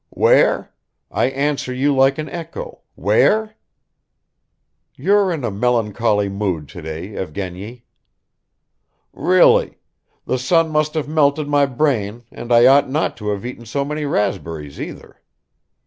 "Where? I answer you like an echo; where?" "You're in a melancholy mood today, Evgeny." "Really? The sun must have melted my brain and I ought not to have eaten so many raspberries either."